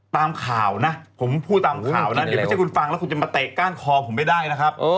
ตามข่าวนะผมพูดตามข่าวนะเดี๋ยวไม่ใช่คุณฟังแล้วคุณจะมาเตะก้านคอผมไม่ได้นะครับ